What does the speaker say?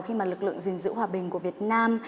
khi mà lực lượng gìn giữ hòa bình của việt nam